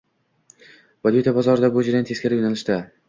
Valyuta bozorida bu jarayon teskari yo'nalishda